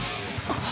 あっ。